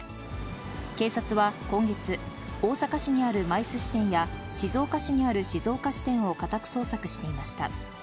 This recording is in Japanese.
警察は今月、大阪市にあるＭＩＣＥ支店や、静岡市にある静岡支店を家宅捜索していました。